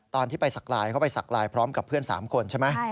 ตอนที่ไปสักลายเขาไปสักลายพร้อมกับเพื่อน๓คนใช่ไหม